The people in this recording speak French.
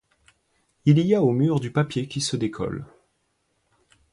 Il y a aux murs du papier qui se décolle.